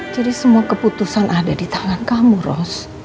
jadi semua keputusan ada di tangan kamu ros